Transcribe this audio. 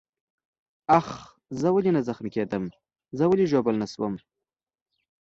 آخ، زه ولې نه زخمي کېدم؟ زه ولې ژوبل نه شوم؟